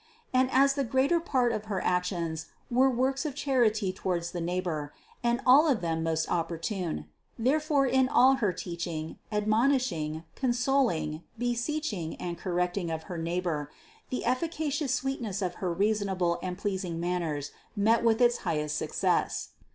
And as the greater part of her actions were works of charity towards the neighbor, THE CONCEPTION 419 and all of them most opportune; therefore in all her teaching, admonishing, consoling, beseeching and correct ing of her neighbor, the efficacious sweetness of her rea sonable and pleasing manners met with its full success.